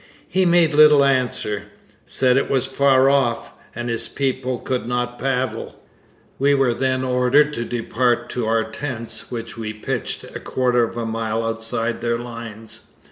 He made little answer; said it was far off, and his people could not paddle. We were then ordered to depart to our tents, which we pitched a quarter of a mile outside their lines.